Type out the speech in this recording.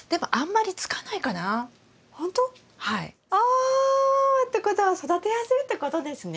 お！ってことは育てやすいってことですね？